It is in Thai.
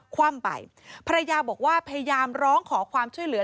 คว่ำไปภรรยาบอกว่าพยายามร้องขอความช่วยเหลือ